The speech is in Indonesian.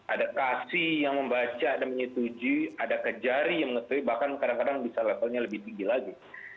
ada kasih yang membaca ada menyetujui ada kejari yang mengetahui bahkan kadang kadang bisa levelnya lebih tinggi lagi